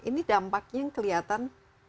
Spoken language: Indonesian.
ini dampaknya kelihatan